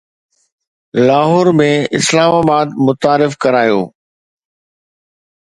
لاهور ۾ اسلام متعارف ڪرايو